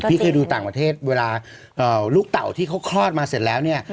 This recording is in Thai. พี่เคยดูต่างประเทศเวลาลูกเต่าที่เขาคลอดมาเสร็จแล้วเนี่ย